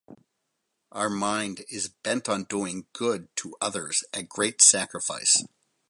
Our mind is bent on doing good to others at great sacrifice.